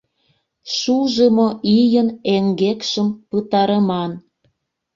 ШУЖЫМО ИЙЫН ЭҤГЕКШЫМ ПЫТАРЫМАН